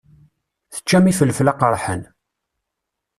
Teččam ifelfel aqeṛḥan.